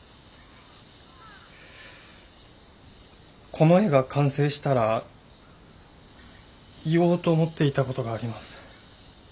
この絵が完成したら言おうと思っていた事があります。